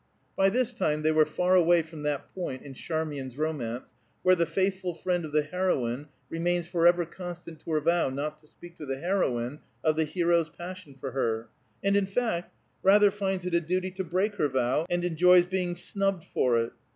By this time they were far away from that point in Charmian's romance where the faithful friend of the heroine remains forever constant to her vow not to speak to the heroine of the hero's passion for her, and in fact rather finds it a duty to break her vow, and enjoys being snubbed for it.